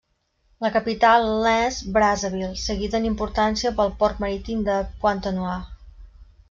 La capital n'és Brazzaville, seguida en importància pel port marítim de Pointe-Noire.